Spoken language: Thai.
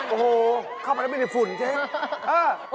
เดินข้ามรถมันไม่ได้ฝุ่นเจ๊